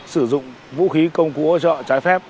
sử dụng vũ khí công cụ hỗ trợ trái phép